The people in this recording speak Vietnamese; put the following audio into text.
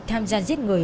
tham gia giết người